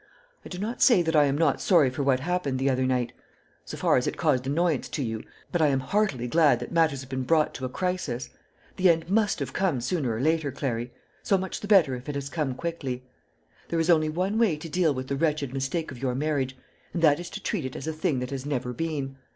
I do not say that I am not sorry for what happened the other night so far as it caused annoyance to you but I am heartily glad that matters have been brought to a crisis. The end must have come sooner or later, Clary so much the better if it has come quickly. There is only one way to deal with the wretched mistake of your marriage, and that is to treat it as a thing that has never been.